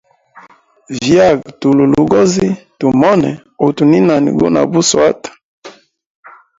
Vyaga tulwe logozi tumone utu ni nani guna buswata.